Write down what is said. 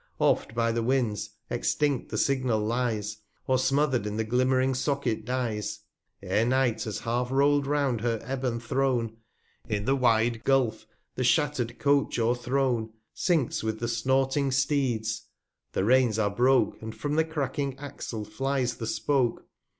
Oft' by the Winds, extinft the Signal lies, Or smother'd in the glimm'ring Socket dies, 340 E'er Night has half rol I'd round her Ebon Throne; In the wide Gulph the shatter'd Coach o'erthrown, Sinks with the snorting Steeds ; the Reins are broke, And from the cracking Axle flies the Spoke.